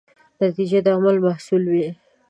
نتیجه د عمل محصول وي.